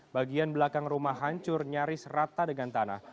bagian belakang rumah hancur nyaris rata dengan tanah